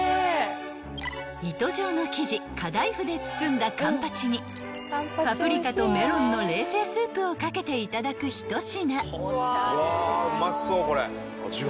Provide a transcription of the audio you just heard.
［糸状の生地カダイフで包んだカンパチにパプリカとメロンの冷製スープを掛けていただく一品］